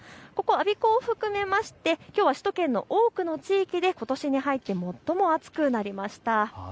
ここ我孫子を含めまして、きょうは首都圏の多くの地域でことしに入って最も暑くなりました。